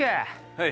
はい。